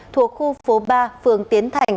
thuộc khu phố ba phường tiến thành